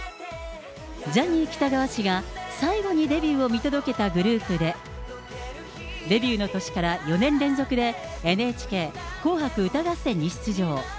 ジャニー喜多川氏が最後にデビューを見届けたグループで、デビューの年から４年連続で、ＮＨＫ紅白歌合戦に出場。